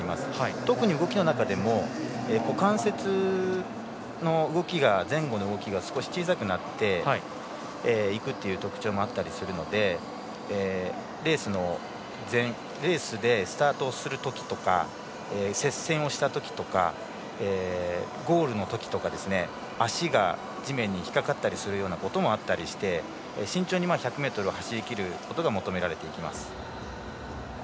特に動きの中でも、関節の動きが前後の動きが少し小さくなっていくという特徴があったりするのでレースでスタートをするときとか接戦をしたときとかゴールのときとか、足が地面に引っかかったりすることもあったりして慎重に１００ｍを走りきることが求められていきます。